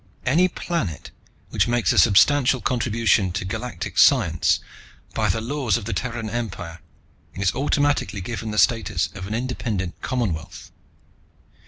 Any planet which makes a substantial contribution to galactic science, by the laws of the Terran Empire, is automatically given the status of an independent commonwealth.